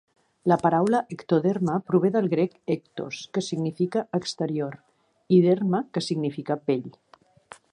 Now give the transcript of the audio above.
La paraula "ectoderma" prové del grec "ektos", que significa "exterior", i "derma", que significa "pell".